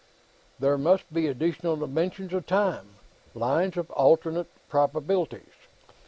There must be additional dimensions of time; lines of alternate probabilities.